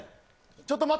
ちょっと待った。